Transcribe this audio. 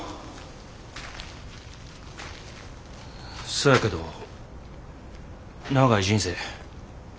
そやけど長い人生。